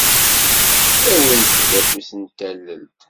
Awimt-d afus n tallelt